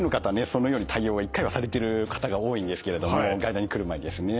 そのように対応を１回はされてる方が多いんですけれども外来に来る前にですね。